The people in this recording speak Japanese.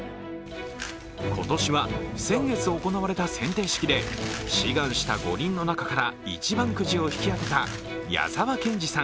今年は先月行われた選定式で志願した５人の中から一番くじを引き当てた矢澤謙二さん